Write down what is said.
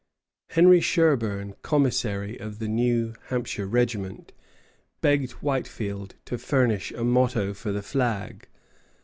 ] Henry Sherburn, commissary of the New Hampshire regiment, begged Whitefield to furnish a motto for the flag.